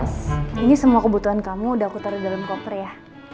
ini semua kebutuhan kamu udah aku taruh dalam koper ya